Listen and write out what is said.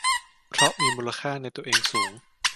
เพราะมีมูลค่าในตัวเองสูง